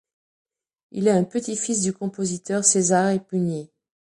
Il est un petit-fils du compositeur Cesare Pugni.